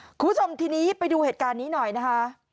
คุณผู้ชมทีนี้ไปดูเหตุการณ์นี้หน่อยนะคะ